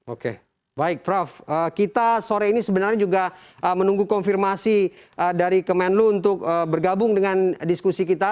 oke baik prof kita sore ini sebenarnya juga menunggu konfirmasi dari kemenlu untuk bergabung dengan diskusi kita